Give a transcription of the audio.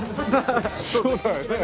そうだよね。